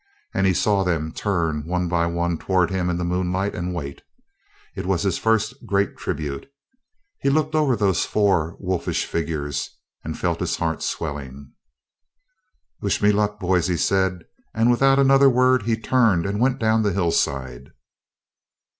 And he saw them turn one by one toward him in the moonlight and wait. It was his first great tribute. He looked over those four wolfish figures and felt his heart swelling. "Wish me luck, boys," he said, and without another word he turned and went down the hillside.